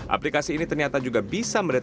aplikasi ini ternyata juga bisa mendeteksi